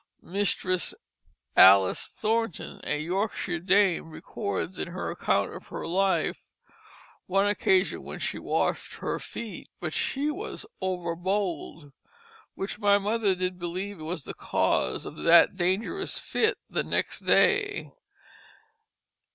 Mistress Alice Thornton, a Yorkshire dame, records in her account of her life one occasion when she washed her feet, but she was overbold. "Which my mother did believe it was the cause of that dangerous fitt the next day."